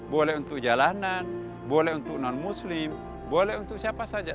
boleh untuk jalanan boleh untuk non muslim boleh untuk siapa saja